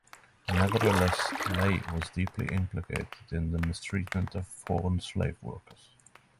Nevertheless, Ley was deeply implicated in the mistreatment of foreign slave workers.